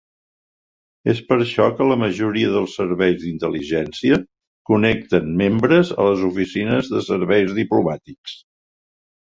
És per això que la majoria dels serveis d'intel·ligència connecten membres a les oficines de serveis diplomàtics.